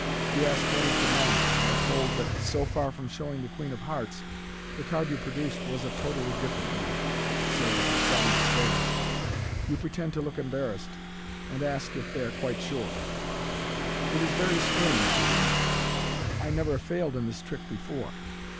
You ask what is the matter, and are told that, so far from showing the queen of hearts, the card you produced was a totally different one, say, the seven of spades. You pretend to look embarrassed, and ask if they are quite sure. " It is very strange," you remark, u I never failed in this trick before.